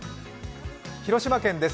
広島県です。